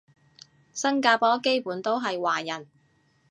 新加坡基本都係華人